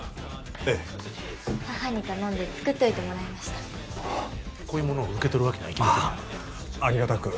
ええ母に頼んで作っておいてもらいましたこういうものを受け取るわけにはいきませんのでありがたく